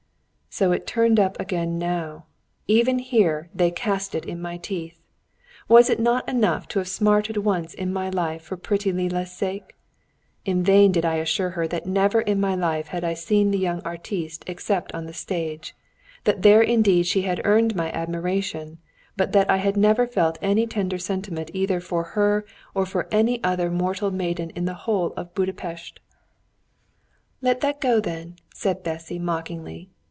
So it turned up again now! Even here they cast it in my teeth! Was it not enough to have smarted once in my life for pretty Lilla's sake? In vain did I assure her that never in my life had I seen the young artiste except on the stage; that there indeed she had earned my admiration, but that I had never felt any tender sentiment either for her or for any other mortal maiden in the whole of Buda Pest. "Let that go, then!" said Bessy mockingly.